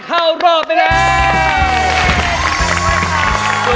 เข้ารอบไปเลย